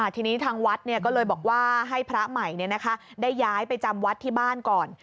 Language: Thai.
ทีนี้ทางวัดก็เลยบอกว่าให้พระใหม่ได้ย้ายไปจำวัดที่บ้านก่อน